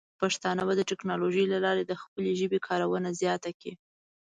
پښتانه به د ټیکنالوجۍ له لارې د خپلې ژبې کارونه زیات کړي.